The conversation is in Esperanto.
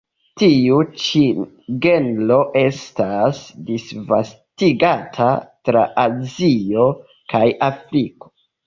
Tiu ĉi genro estas disvastigata tra Azio kaj Afriko.